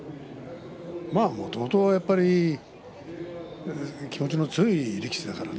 もともと、やっぱり気持ちの強い力士だからね。